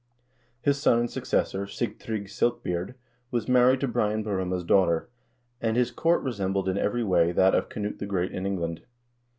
His son and successor, Sigtrygg Silk beard, was married to Brian Borumha's daughter, and his court resembled in every way that of Knut the Great in England.